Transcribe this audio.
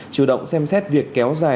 chủ động xem xét việc kéo dài